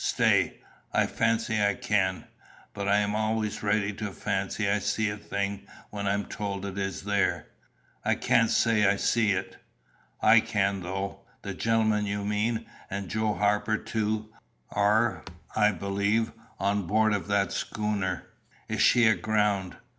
Stay. I fancy I can. But I am always ready to fancy I see a thing when I am told it is there. I can't say I see it." "I can, though. The gentleman you mean, and Joe Harper too, are, I believe, on board of that schooner." "Is she aground?"